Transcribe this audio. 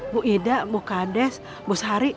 bu ida bu kades bu sari